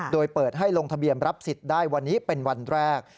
โดยเปิดให้ลงทะเบียนรับสิทธิ์ได้วันนี้เป็นวันแรก